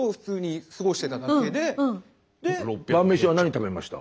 晩飯は何食べました？